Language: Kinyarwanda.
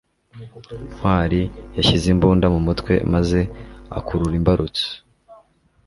ntwali yashyize imbunda mu mutwe maze akurura imbarutso